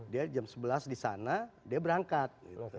dia jam sebelas di sana dia berangkat